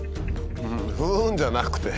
「ふん」じゃなくて。